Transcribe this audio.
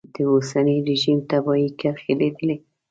د اوسني رژیم تباهي کرښې لیدلې.